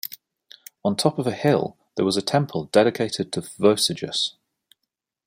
On top of a hill there was a temple dedicated to Vosegus.